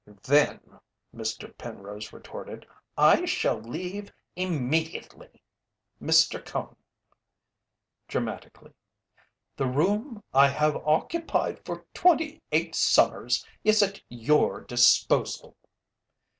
"Then," Mr. Penrose retorted, "I shall leave immediately! Mr. Cone," dramatically, "the room I have occupied for twenty eight summers is at your disposal."